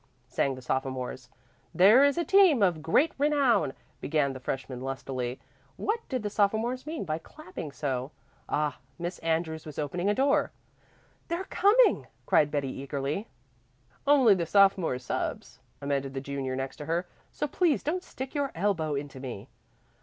sang the sophomores. "There is a team of great renown," began the freshmen lustily. What did the sophomores mean by clapping so? Ah! Miss Andrews was opening a door. "They're coming!" cried Betty eagerly. "Only the sophomore subs," amended the junior next to her. "So please don't stick your elbow into me."